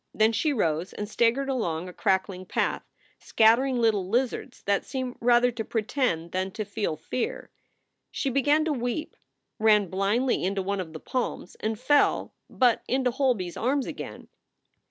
Then she rose and staggered along a crackling path, scattering little lizards that seemed rather to pretend than to feel fear. She began to weep, ran blindly into one of the palms, and fell, but into Holby s arms again.